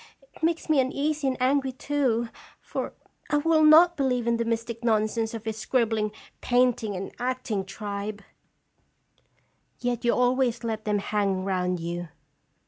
It makes me un easy, and angry, too; for I will not believe in the * mystic* nonsense of his scribbling, paint ing, and acting tribe." Bender. 77 " Yet you always let them hang round you."